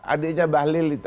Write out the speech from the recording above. adiknya balil itu